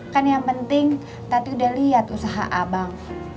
kan yang penting tapi udah lihat usaha abang